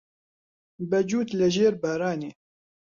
بە جووت لە ژێر بارانێ